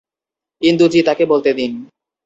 ইন্দু জি, তাকে বলতে দিন।